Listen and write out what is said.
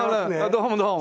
どうもどうも。